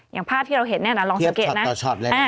อย่างภาพที่เราเห็นเนี่ยนะลองสังเกตนะ